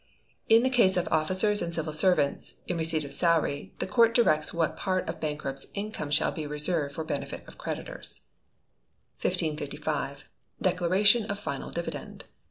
In the case of officers and civil servants, in receipt of salary, the Court directs what part of bankrupt's income shall be reserved for benefit of creditors. 1555. Declaration of Final Dividend.